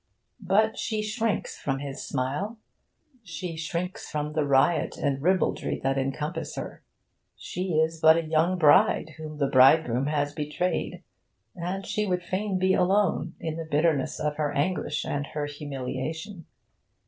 But she shrinks from his smile. She shrinks from the riot and ribaldry that encompass her. She is but a young bride whom the bridegroom has betrayed, and she would fain be alone in the bitterness of her anguish and her humiliation.